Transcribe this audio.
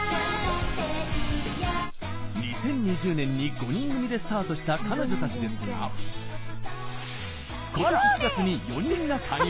２０２０年に５人組でスタートした彼女たちですが今年４月に４人が加入。